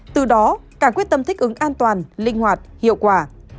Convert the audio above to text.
từ đó càng quyết tâm thích ứng an toàn linh hoạt hiệu quả